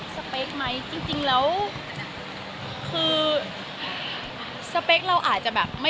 สเปคมั้ยจริงแล้วคือสเปคเราอาจจะแบบ